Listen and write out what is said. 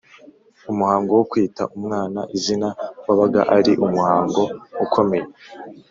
umuhango wo kwita umwana izina wabaga ari umuhango ukomeye